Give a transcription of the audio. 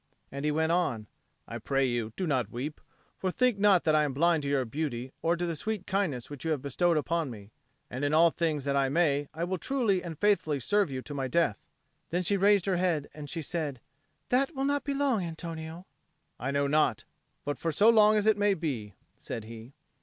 And he went on, "I pray you, do not weep. For think not that I am blind to your beauty or to the sweet kindness which you have bestowed upon me. And in all things that I may, I will truly and faithfully serve you to my death." Then she raised her head and she said, "That will not be long, Antonio." "I know not, but for so long as it may be," said he.